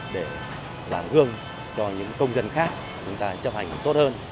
để làm gương cho những công dân khác chúng ta chấp hành tốt hơn